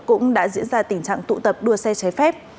cũng đã diễn ra tình trạng tụ tập đua xe trái phép